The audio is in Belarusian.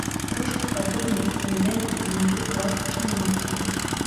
Трошкі падобныя і тэндэнцыі ўнутры класу чыноўнікаў.